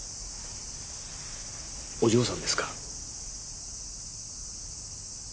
お嬢さんですか？